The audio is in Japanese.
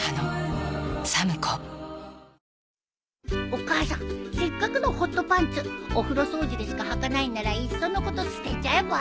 お母さんせっかくのホットパンツお風呂掃除でしかはかないならいっそのこと捨てちゃえば？